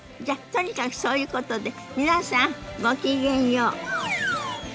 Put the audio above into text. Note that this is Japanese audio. じゃとにかくそういうことで皆さんごきげんよう。